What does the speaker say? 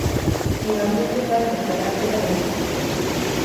Igande honetan deklaratzera deitu zuten.